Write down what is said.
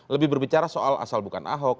lebih berbicara soal asal bukan ahok